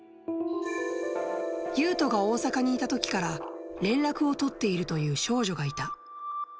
ユウトが大阪にいたときから連絡を取っているという少女がいた。